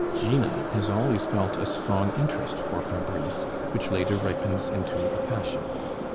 Gina has always felt a strong interest for Fabrice, which later ripens into a passion.